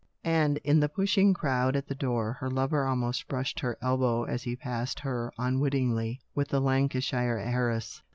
And in the pushing crowd at the door her lover almost brushed her elbow as he passed her unwittingly with the Lancashire heiress.